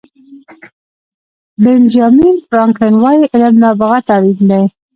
بینجامین فرانکلن وایي علم نابغه ته اړین دی.